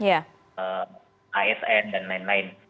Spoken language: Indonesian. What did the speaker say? asn dan lain lain